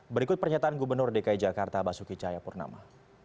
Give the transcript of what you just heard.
berikut pernyataan gubernur dki jakarta basuki cahaya purnama